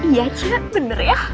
iya ce bener ya